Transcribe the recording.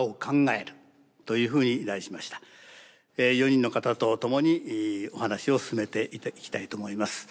４人の方と共にお話を進めていきたいと思います。